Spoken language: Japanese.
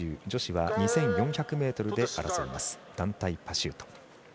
女子は２４００ｍで争います、団体パシュート。